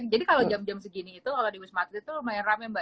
jadi kalau jam jam segini itu kalau di usma atut itu lumayan rame mbak